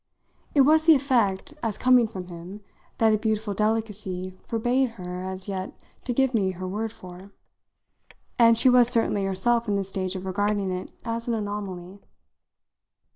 It was the effect, as coming from him, that a beautiful delicacy forbade her as yet to give me her word for; and she was certainly herself in the stage of regarding it as an anomaly.